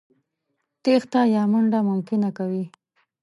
تېښته يا منډه ممکنه کوي.